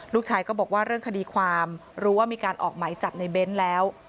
ลูกชายก็บอกว่าเรื่องคดีความรู้ว่ามีการออกไหมจับในเบ้นแล้ว